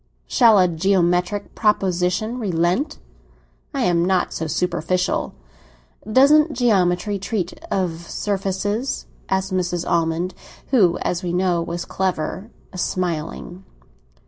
"Shall a geometrical proposition relent? I am not so superficial." "Doesn't geometry treat of surfaces?" asked Mrs. Almond, who, as we know, was clever, smiling.